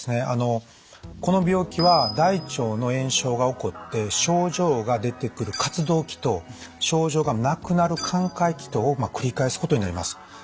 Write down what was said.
あのこの病気は大腸の炎症が起こって症状が出てくる活動期と症状がなくなる寛解期とを繰り返すことになります。